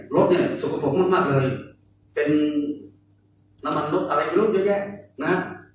รถสุขปลงมันมากเลยเป็นน้ำมันลดอะไรดูโยแยะ